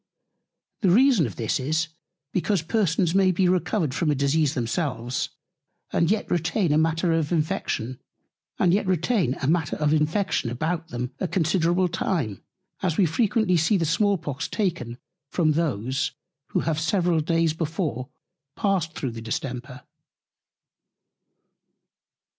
The reason of this is, because Persons may be recovered from a Disease themselves, and yet retain Matter of Infection about them a considerable Time; as we frequently see the Small Pox taken from those, who have several Days before passed through the Distemper.